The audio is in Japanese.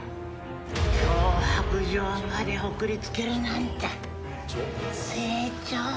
脅迫状まで送りつけるなんて成長したなあ！